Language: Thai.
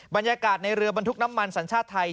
บรรยากาศในเรือบรรทุกน้ำมันสัญชาติไทย